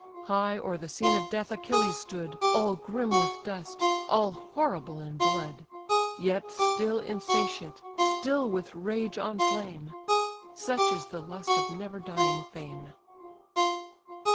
High o'er the scene of death Achilles stood, All grim with dust, all horrible in blood: Yet still insatiate, still with rage on flame; Such is the lust of never dying fame!